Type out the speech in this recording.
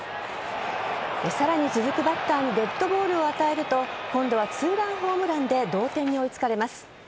さらに続くバッターにデッドボールを与えると今度は２ランホームランで同点に追いつかれます。